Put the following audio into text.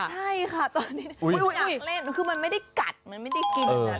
ใช่ค่ะตอนนี้วิวอยากเล่นคือมันไม่ได้กัดมันไม่ได้กินนะ